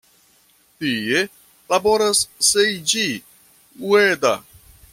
Tie laboras Seiji Ueda.